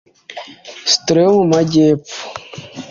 Citrons yo mu majyepfo